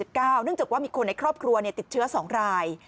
เนื่องจากว่ามีคนในครอบครัวติดเชื้อ๒ราย